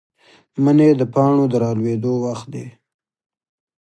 منی د پاڼو د رالوېدو وخت دی.